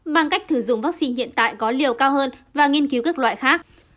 mang cách thử dụng vaccine hiện tại có liều cao hơn và nghiên cứu các loại khác